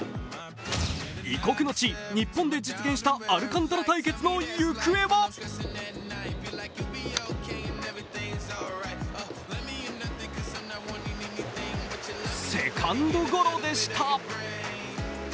異国の地・日本で実現したアルカンタラ対決の行方はセカンドゴロでした。